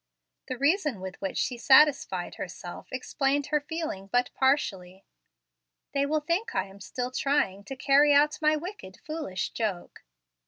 The reason with which she satisfied herself explained her feeling but partially. "They will think I am still trying to carry out my wicked, foolish joke."